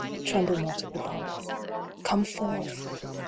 Tremble not at the bars. Come forth